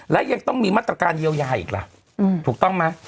และยังต้องมีมาตรการเยียวยาอีกล่ะถูกต้องไหม